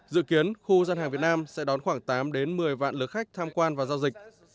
dự kiến khu dân hàng việt nam sẽ đón khoảng tám một mươi vạn lượt khách tham quan và giao dịch